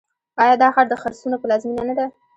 آیا دا ښار د خرسونو پلازمینه نه ده؟